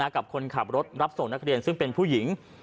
กับคนขับรถรับส่งนักเรียนซึ่งเป็นผู้หญิง